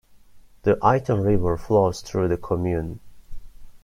The Iton river flows through the commune.